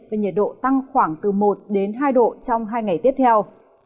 với nhiệt độ tăng khoảng từ một hai độ trong hai ngày tiếp theo